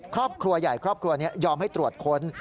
ครอบครัวใหญ่ครอบครัวนี้ยอมให้ตรวจค้น